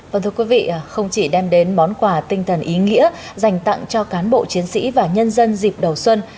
vâng thưa quý vị không chỉ đem đến món quà tinh thần ý nghĩa dành tặng cho cán bộ chiến sĩ và nhân dân dịp đầu xuân